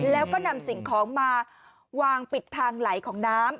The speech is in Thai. แล้วก็นำสิ่งของมาวางปิดทางไหลของน้ำ